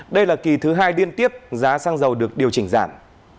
đây là kỳ thứ hai liên tiếp giá xăng dầu được điều chỉnh giảm